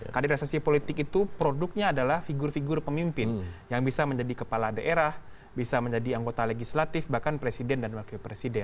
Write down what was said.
kaderisasi politik itu produknya adalah figur figur pemimpin yang bisa menjadi kepala daerah bisa menjadi anggota legislatif bahkan presiden dan wakil presiden